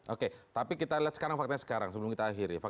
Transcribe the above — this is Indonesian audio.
oke tapi kita lihat sekarang faktanya sekarang sebelum kita akhiri